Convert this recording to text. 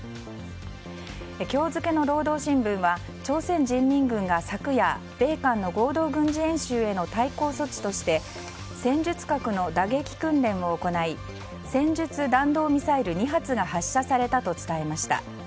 今日付の労働新聞は朝鮮人民軍が昨夜米韓の合同軍事演習への対抗措置として戦術核の打撃訓練を行い戦術弾道ミサイル２発が発射されたと伝えました。